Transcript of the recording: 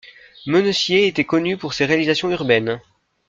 Menessier était connu pour ses réalisations urbaines.